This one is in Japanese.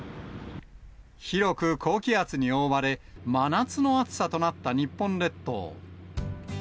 広く高気圧に覆われ、真夏の暑さとなった日本列島。